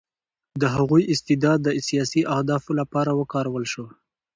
د هغوی استعداد د سیاسي اهدافو لپاره وکارول شو